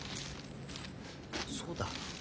そうだ。